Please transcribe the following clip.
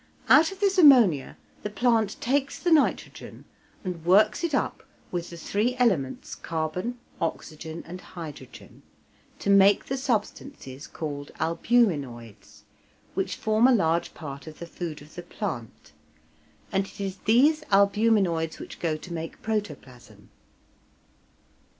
Out of this ammonia the plant takes the nitrogen and works it up with the three elements, carbon, oxygen, and hydrogen, to make the substances called albuminoids, which form a large part of the food of the plant, and it is these albuminoids which go to make protoplasm.